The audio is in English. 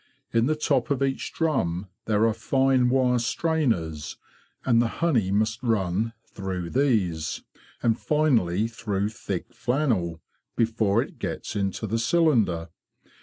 In the top of each drum there are fine wire strainers, and the honey must run through these, and finally through thick flannel, before it gets into the cylinder.